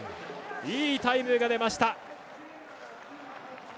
いいタイムが出ました。